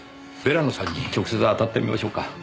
ヴェラノさんに直接当たってみましょうか。